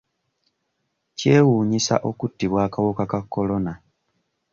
Kyewuunyisa okuttibwa akawuka ka Corona.